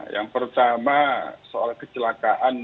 yang pertama soal kecelakaan